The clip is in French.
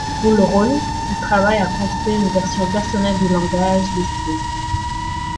Pour le rôle, il travaille à construire une version personnelle du langage des signes.